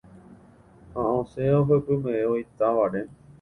ha osẽ ohepyme'ẽvo itávare